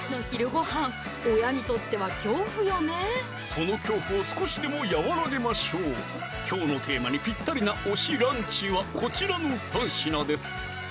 その恐怖を少しでも和らげましょうきょうのテーマにぴったりな推しランチはこちらの３品です